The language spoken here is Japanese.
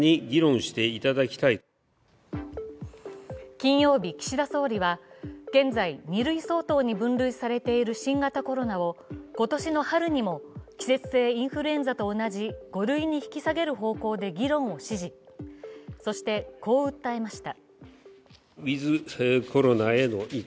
金曜日、岸田総理は現在、２類相当に分類されている新型コロナを今年の春にも季節性インフルエンザと同じ５類に引き下げる方向で議論を指示そして、こう訴えました。